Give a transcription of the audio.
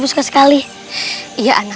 masa kami ber kehidupan